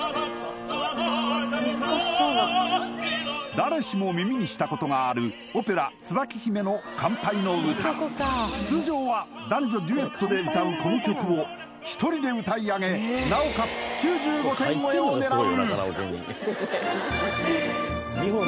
誰しも耳にしたことがある通常は男女デュエットで歌うこの曲を１人で歌いあげなおかつ９５点超えを狙う！